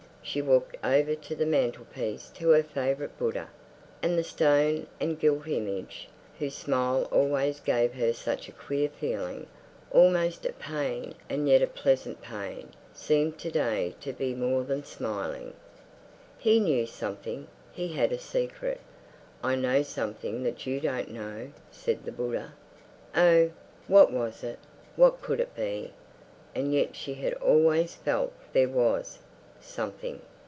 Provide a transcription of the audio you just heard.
She walked over to the mantelpiece to her favourite Buddha. And the stone and gilt image, whose smile always gave her such a queer feeling, almost a pain and yet a pleasant pain, seemed to day to be more than smiling. He knew something; he had a secret. "I know something that you don't know," said her Buddha. Oh, what was it, what could it be? And yet she had always felt there was... something.